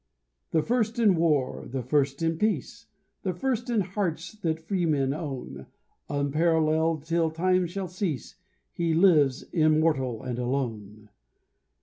The first in war, the first in peace, The first in hearts that freemen own; Unparalleled till time shall cease He lives, immortal and alone.